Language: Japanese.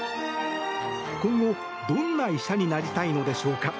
今後、どんな医者になりたいのでしょうか。